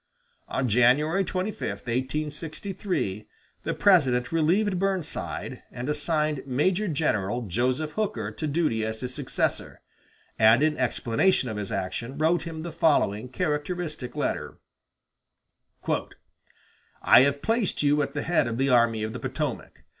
On January 25, 1863, the President relieved Burnside and assigned Major General Joseph Hooker to duty as his successor; and in explanation of his action wrote him the following characteristic letter: "I have placed you at the head of the Army of the Potomac.